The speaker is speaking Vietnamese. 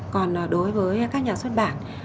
còn đối với các nhà xuất bản